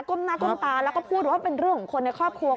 หน้าก้มตาแล้วก็พูดว่าเป็นเรื่องของคนในครอบครัว